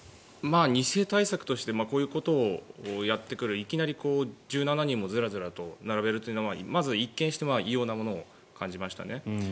２世対策としてこういうことをやってくるいきなり１７人もずらずらと並べるというのは一見して異様なものを感じましたね。